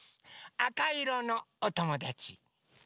あかいろのおともだち。